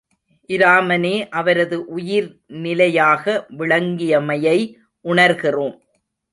இராமனே அவரது உயிர்நிலையாக விளங்கியமையை உணர்கிறோம்.